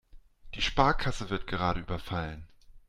Die Sparkasse wird gerade überfallen.